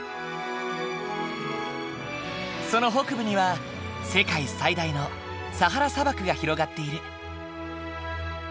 その北部には世界最大のサハラ砂漠が広がっている。